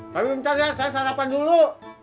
tapi ntar ya saya sarapan dulu